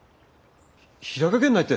ひ平賀源内って？